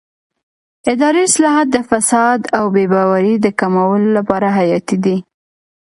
اداري اصلاحات د فساد او بې باورۍ د کمولو لپاره حیاتي دي